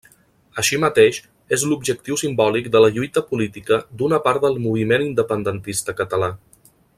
Així mateix, és l'objectiu simbòlic de la lluita política d'una part del moviment independentista català.